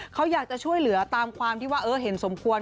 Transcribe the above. เขาอยากจะช่วยเหลือตามความที่ว่าเห็นสมควร